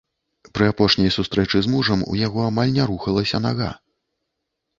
Пры апошняй сустрэчы з мужам у яго амаль не рухалася нага.